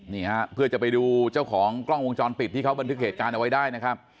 นี่ฮะเพื่อจะไปดูเจ้าของกล้องวงจรปิดที่เขาบันทึกเหตุการณ์เอาไว้ได้นะครับ